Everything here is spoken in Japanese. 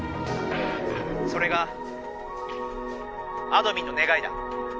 それがあどミンのねがいだ」。